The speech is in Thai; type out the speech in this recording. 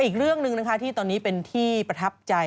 อีกเรื่องหนึ่งนะคะที่ตอนนี้เป็นที่ประทับใจ